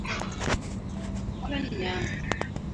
mungu anafanya vitu na vinadhibitika